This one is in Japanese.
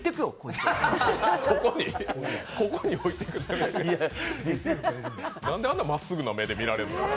なんで、あんなまっすぐな目で見られるの？